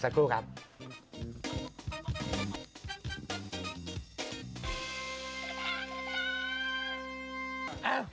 สักครู่ครับ